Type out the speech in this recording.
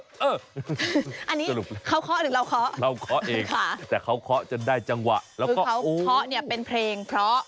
อันนี้สรุปเขาเคาะหรือเราเคาะเราเคาะเองค่ะแต่เขาเคาะจนได้จังหวะแล้วก็เขาเคาะเนี่ยเป็นเพลงเพราะ